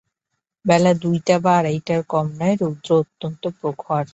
বেলা দুইটা বা আড়াইটার কম নয়, রৌদ্র অত্যন্ত প্রখর।